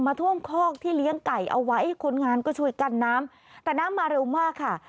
ท่วมคอกที่เลี้ยงไก่เอาไว้คนงานก็ช่วยกันน้ำแต่น้ำมาเร็วมากค่ะ